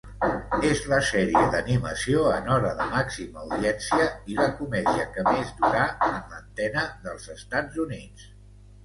És la sèrie d'animació en hora de màxima audiència i la comèdia que més durà en antena dels Estats Units.